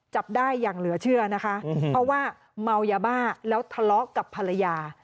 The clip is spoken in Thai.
จับได้อย่างเหลือเชื่อนะคะเพราะว่าเมายาบ้าแล้วทะเลาะกับภรรยา